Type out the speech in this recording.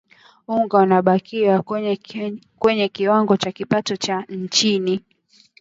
Uganda yabakia kwenye kiwango cha kipato cha chini